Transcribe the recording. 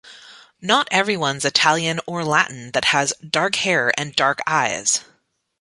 Not everyone's Italian or Latin that has dark hair and dark eyes.